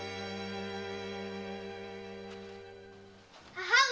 母上！